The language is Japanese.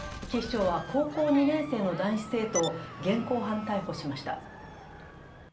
警視庁は高校２年生の男子生徒を現行犯逮捕しました。